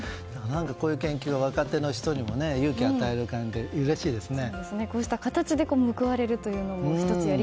こういう研究は若手の人にも勇気を与えてうれしいですね。